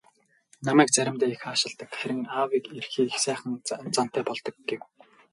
"Намайг заримдаа их аашилдаг, харин аавыг ирэхээр их сайхан зантай болдог" гэв.